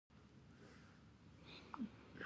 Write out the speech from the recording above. افغانستان کې ځنګلونه د نن او راتلونکي لپاره ارزښت لري.